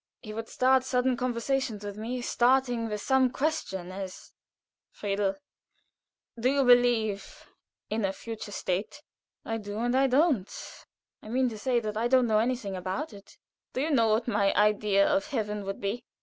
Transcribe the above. He would begin sudden conversations with me, starting with some question, as: "Friedel, do you believe in a future state?" "I do, and I don't. I mean to say that I don't know anything about it." "Do you know what my idea of heaven would be?"